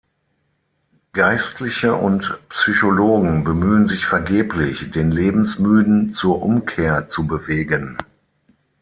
Geistliche und Psychologen bemühen sich vergeblich, den Lebensmüden zur Umkehr zu bewegen.